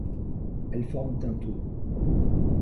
Elles forment un tout.